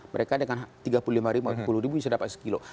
mereka dengan tiga puluh lima lima puluh ribu bisa dapat satu kilo